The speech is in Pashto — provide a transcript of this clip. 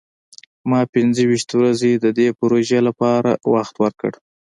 ما پنځه ویشت ورځې د دې پروژې لپاره وخت ورکړ.